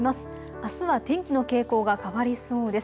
あすは天気の傾向が変わりそうです。